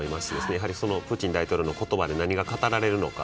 やはりプーチン大統領の言葉で何が語られるのか。